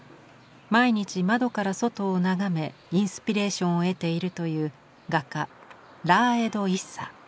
毎日窓から外を眺めインスピレーションを得ているという画家ラーエド・イッサ。